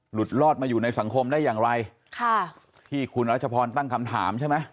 ลอดมาอยู่ในสังคมได้อย่างไรค่ะที่คุณรัชพรตั้งคำถามใช่ไหม